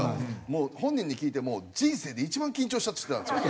もう本人に聞いても「人生で一番緊張した」って言ってたんですよ